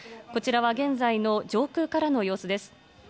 こちらは現在の上空からの様子です。